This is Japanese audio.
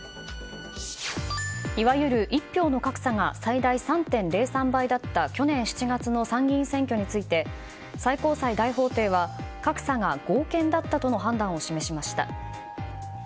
いわゆる一票の格差が最大３．０３倍だった去年７月の参議院選挙について最高裁大法廷は格差が合憲だったとの判断を示しました。